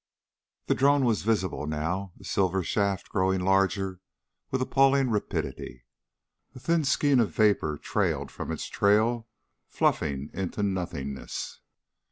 The drone was visible now, a silver shaft growing larger with appalling rapidity. A thin skein of vapor trailed from its trail, fluffing into nothingness.